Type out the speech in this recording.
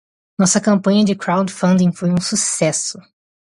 Nossa campanha de crowdfunding foi um sucesso.